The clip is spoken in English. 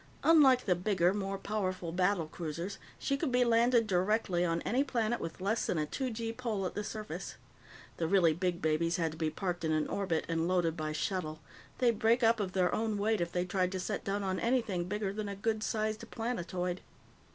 Unlike the bigger, more powerful battle cruisers, she could be landed directly on any planet with less than a two gee pull at the surface. The really big babies had to be parked in an orbit and loaded by shuttle; they'd break up of their own weight if they tried to set down on anything bigger than a good sized planetoid.